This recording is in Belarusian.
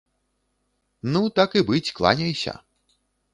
Ну, так і быць, кланяйся.